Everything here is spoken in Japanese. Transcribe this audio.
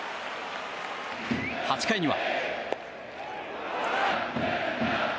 ８回には。